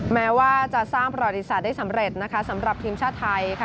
แม้ว่าจะสร้างประวัติศาสตร์ได้สำเร็จนะคะสำหรับทีมชาติไทยค่ะ